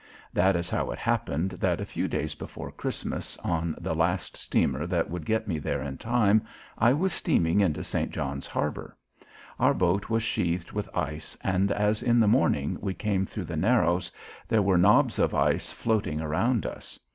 That is how it happened that a few days before Christmas, on the last steamer that would get me there in time, I was steaming into St. John's Harbor. Our boat was sheathed with ice and as in the morning we came thru the Narrows there were knobs of ice floating around us.